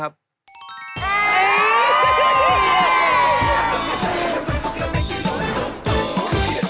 กลับเข้าสู่ช่วงที่สองนะคะ